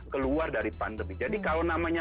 keluar dari pandemi jadi kalau namanya